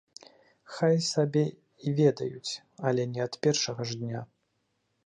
Хай сабе й ведаюць, але не ад першага ж дня.